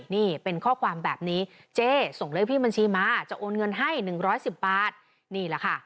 นี่เป็นข้อความแบบนี้เจ๊ส่งเลขที่บัญชีมาจะโอนเงินให้๑๑๐บาทนี่แหละค่ะ